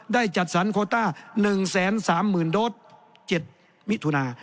ได้จัดสรรโคต้าหนึ่งแสนสามหมื่นโดรสเจ็ดมิถุนา